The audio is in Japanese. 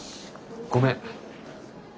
ごめん。